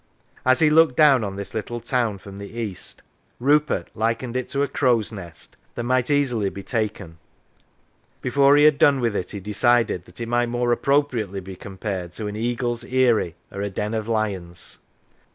As he looked down on this little town from the east, Rupert likened it to a crow's nest, that might easily be taken; before he had done with it he decided that it might more appropriately be compared to an eagle's eyrie or a den of lions.